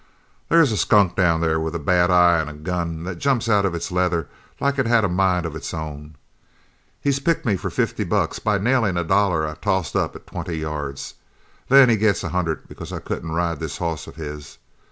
"There's a skunk down there with a bad eye an' a gun that jumps out of its leather like it had a mind of its own. He picked me for fifty bucks by nailing a dollar I tossed up at twenty yards. Then he gets a hundred because I couldn't ride this hoss of his.